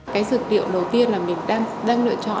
cái dược liệu đầu tiên là mình đang lựa chọn